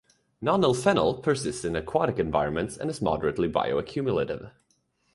Nonylphenol persists in aquatic environments and is moderately bioaccumulative.